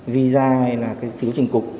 visa hay là cái phiếu trình cục